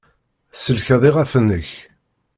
Tsellkeḍ iɣef-nnek.